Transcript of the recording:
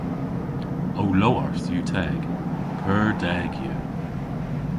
Ow lowarth yw teg. Pur deg yw.